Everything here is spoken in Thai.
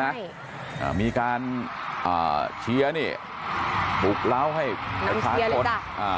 ใช่อ่ามีการอ่าเชียร์นี่บุกเล่าให้น้องเชียร์เลยค่ะอ่า